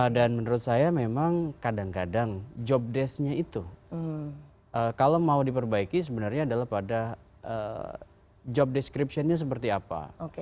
dan menurut saya memang kadang kadang jobdesknya itu kalau mau diperbaiki sebenarnya adalah pada job descriptionnya seperti apa